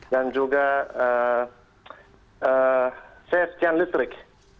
dan juga safe tian listrik